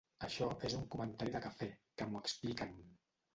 Això és un comentari de cafè, que m’ho expliquen.